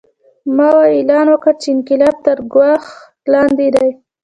ماوو اعلان وکړ چې انقلاب تر ګواښ لاندې دی.